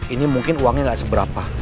ini mungkin uangnya nggak seberapa